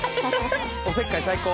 おせっかい最高。